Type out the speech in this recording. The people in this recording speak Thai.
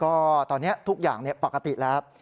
ก็ตอนนี้ทุกอย่างปกติแล้ว